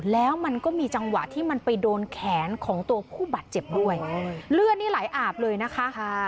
แล้วมันก็มีจังหวะที่มันไปโดนแขนของตัวผู้บาดเจ็บด้วยเลือดนี่ไหลอาบเลยนะคะ